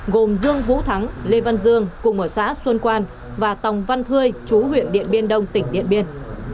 gồm dương vũ thắng lê văn dương cùng ở xã xuân quan và tòng văn thơê chú huyện điện biên đông tỉnh điện biên